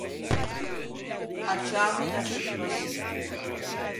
A ciave da scituaçion.